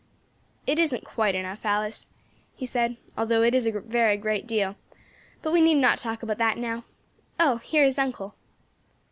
"It isn't quite enough, Alice," he said, "although it is a very great deal; but we need not talk about that now. Oh, here is uncle."